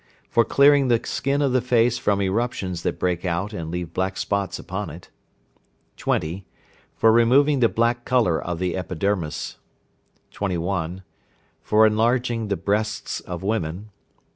For clearing the skin of the face from eruptions that break out and leave black spots upon it. 20. For removing the black colour of the epidermis. 21. For enlarging the breasts of women.